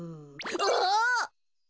あっ！